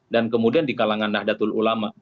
dan kemudian di kalangan nahdlatul ulama